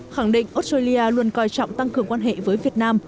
khẳng định australia luôn coi trọng tăng cường quan hệ với việt nam